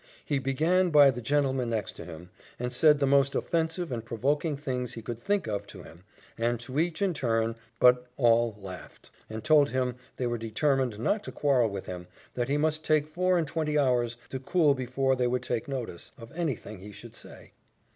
] he began by the gentleman next to him, and said the most offensive and provoking things he could think of to him and to each in turn; but all laughed, and told him they were determined not to quarrel with him that he must take four and twenty hours to cool before they would take notice of any thing he should say.